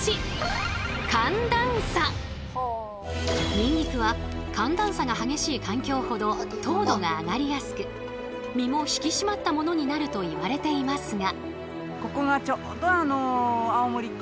ニンニクは寒暖差が激しい環境ほど糖度が上がりやすく実も引き締まったものになるといわれていますが。